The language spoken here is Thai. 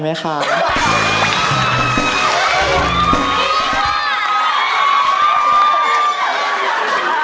น้อยหนาอามาวะน้อยหนาอามาวะ